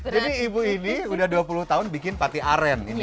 jadi ibu ini sudah dua puluh tahun bikin pate aren ini ya